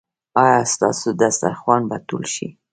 ایا ستاسو دسترخوان به ټول شي؟